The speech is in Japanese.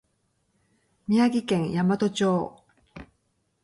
宮城県大和町